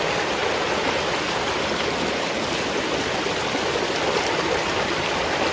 เมื่อเวลาอันดับสุดท้ายจะมีเวลาอันดับสุดท้ายมากกว่า